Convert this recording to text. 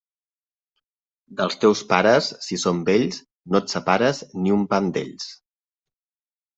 Dels teus pares, si són vells, no et separes ni un pam d'ells.